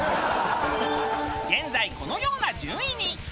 現在このような順位に。